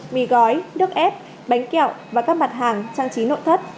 mì gói nước ép bánh kẹo và các mặt hàng trang trí nội thất